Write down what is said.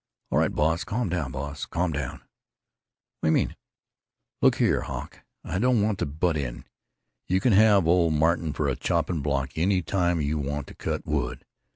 "All right, boss. Calm down, boss, calm down." "What do you mean?" "Look here, Hawk, I don't want to butt in. You can have old Martin for a chopping block any time you want to cut wood.